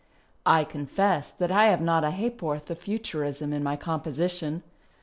I confess that I have not a ha'porth of Futurism in my composition.